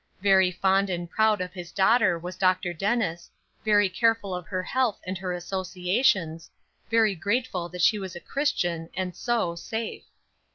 Very fond and proud of his daughter was Dr. Dennis; very careful of her health and her associations; very grateful that she was a Christian, and so, safe.